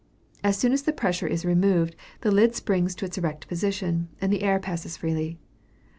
As soon as the pressure is removed, the lid springs to its erect position, and the air passes freely.